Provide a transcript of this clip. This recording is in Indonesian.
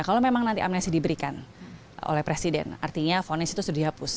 kalau memang nanti amnesti diberikan oleh presiden artinya vonis itu sudah dihapus